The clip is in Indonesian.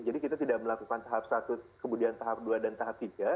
jadi kita tidak melakukan tahap satu kemudian tahap dua dan tahap tiga